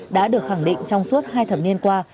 đã được khẳng định trong suốt hai thập niên qua